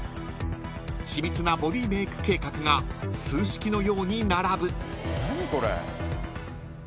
［緻密なボディーメーク計画が数式のように並ぶ］